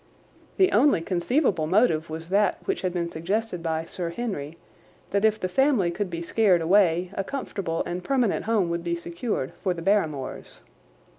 The only conceivable motive was that which had been suggested by Sir Henry, that if the family could be scared away a comfortable and permanent home would be secured for the Barrymores.